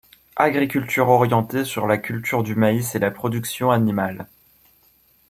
Agriculture orientée sur la culture du maïs et la production animale.